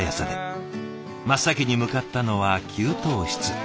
真っ先に向かったのは給湯室。